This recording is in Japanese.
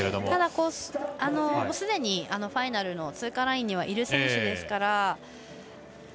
ただ、すでにファイナルの通過ラインにはいる選手ですから。